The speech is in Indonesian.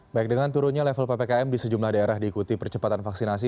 baik dengan turunnya level ppkm di sejumlah daerah diikuti percepatan vaksinasi